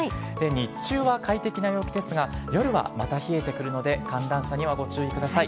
日中は快適な陽気ですが、夜はまた冷えてくるので、寒暖差にはご注意ください。